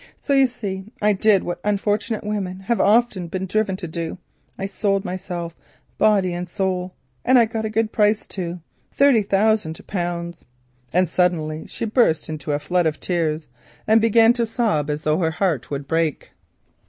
So you see I did what unfortunate women have often been driven to do, I sold myself body and soul; and I got a good price too—thirty thousand pounds!" and suddenly she burst into a flood of tears, and began to sob as though her heart would break.